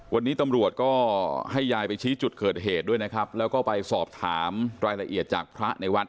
วันนี้ตำรวจก็ให้ยายไปชี้จุดเกิดเหตุด้วยนะครับแล้วก็ไปสอบถามรายละเอียดจากพระในวัด